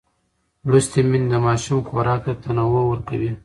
لوستې میندې د ماشوم خوراک ته تنوع ورکوي.